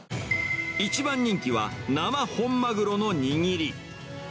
一番人気は生本マグロの握り。